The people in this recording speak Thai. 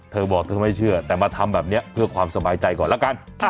เธอบอกเธอไม่เชื่อแต่มาทำแบบนี้เพื่อความสบายใจก่อนแล้วกัน